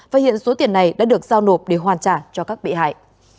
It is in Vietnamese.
và hiện số tiền này đã được giao nộp để hoàn trả cho các bị hại